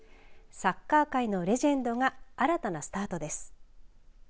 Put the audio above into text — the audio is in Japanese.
サッカー界のレジェンドが新たなスタートです。